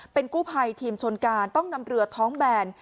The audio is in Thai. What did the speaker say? เป็นกู้ภัยทีมชนการต้องนำเรือท้องแบน